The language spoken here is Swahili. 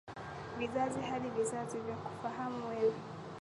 Vizazi hadi vizazi, vya kufahamu wewe